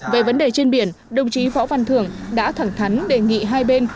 về vấn đề trên biển đồng chí võ văn thường đã thẳng thắn đề nghị hai bên